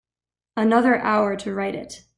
Another hour to write it.